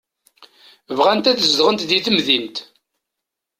Bɣant ad zedɣent di temdint.